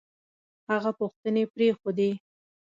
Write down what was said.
هغه پوښتنې پرېښودې